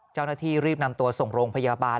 เจ้าหน้าที่รีบนำตัวส่งโรงพยาบาล